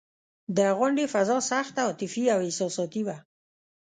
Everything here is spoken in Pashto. د غونډې فضا سخته عاطفي او احساساتي وه.